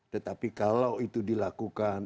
tetapi kalau itu dilakukan